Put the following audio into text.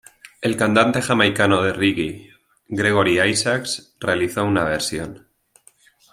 El cantante jamaicano de reggae Gregory Isaacs realizó una versión.